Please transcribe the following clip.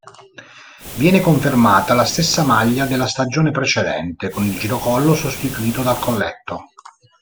Viene confermata la stessa maglia della stagione precedente, con il girocollo sostituito dal colletto.